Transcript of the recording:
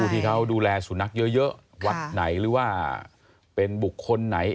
ที่เขาดูแลสุนัขเยอะวัดไหนหรือว่าเป็นบุคคลไหน